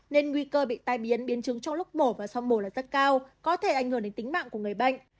nên nguy cơ bị tai biến biến chứng trong lúc mổ và sau mổ là rất cao có thể ảnh hưởng đến tính mạng của người bệnh